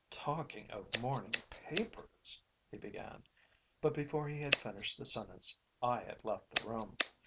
"Talking of morning papers " he began, but before he had finished the sentence I had left the room.